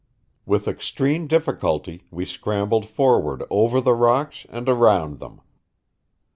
With extreme difficulty we scrambled forward over the rocks and around them.